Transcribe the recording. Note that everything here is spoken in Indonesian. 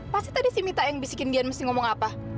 pasti tadi sih mita yang bisikin dian mesti ngomong apa